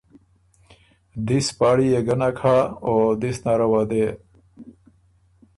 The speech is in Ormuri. دِس پاړی يې ګۀ نک هۀ او دِس نره وه دې